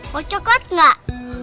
mau coklat gak